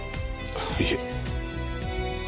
いえ。